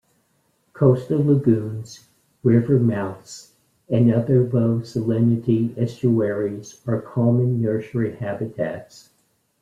Coastal lagoons, river mouths, and other low-salinity estuaries are common nursery habitats.